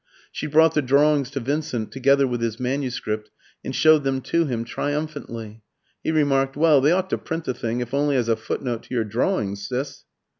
She brought the drawings to Vincent, together with his manuscript, and showed them to him triumphantly. He remarked "Well, they ought to print the thing, if only as a footnote to your drawings, Sis."